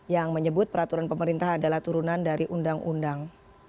yang menyebut peraturan pemerintah adalah turunan dari undang undang